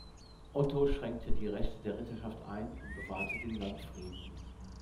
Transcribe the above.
Otto schränkte die Rechte der Ritterschaft ein und bewahrte den Landfrieden.